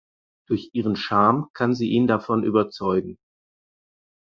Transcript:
Durch ihren Charme kann sie ihn davon überzeugen.